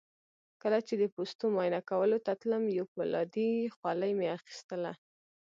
کله چې د پوستو معاینه کولو ته تلم یو فولادي خولۍ مې اخیستله.